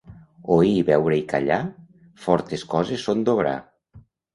Oir, veure i callar, fortes coses són d'obrar.